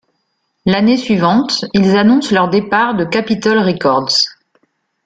L'année suivante, ils annoncent leur départ de Capitol Records.